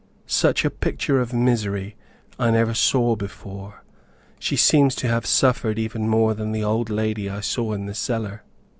Such a picture of misery I never saw before. She seemed to have suffered even more than the old lady I saw in the cellar.